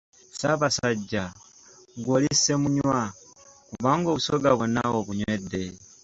Ssaabasajja, ggwe oli Ssemunywa, kubanga Obusoga bwonna obunywedde!